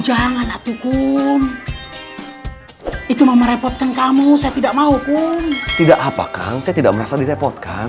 jangan aku kum itu merepotkan kamu saya tidak mau kum tidak apa kang saya tidak merasa direpotkan